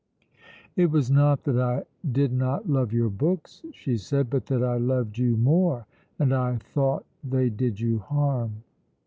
"It was not that I did not love your books," she said, "but that I loved you more, and I thought they did you harm."